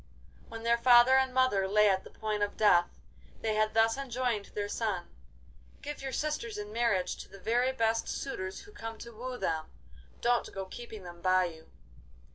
When their father and mother lay at the point of death, they had thus enjoined their son: 'Give your sisters in marriage to the very first suitors who come to woo them. Don't go keeping them by you!